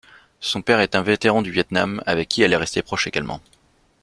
Son père est un vétéran du Vietnam avec qui elle est restée proche également.